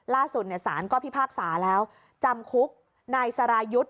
ล่าสุดสารก็พิพากษาแล้วจำคุกนายสรายุทธ์